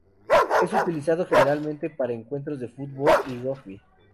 Es utilizado generalmente para encuentros de fútbol y rugby.